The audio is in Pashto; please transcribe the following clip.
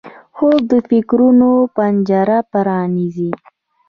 خوب د فکرونو پنجره پرانیزي